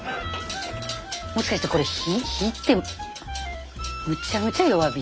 もしかしてこれ火火ってむちゃむちゃ弱火？